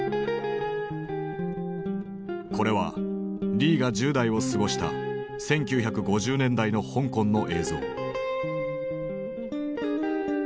これはリーが１０代を過ごした１９５０年代の香港の映像。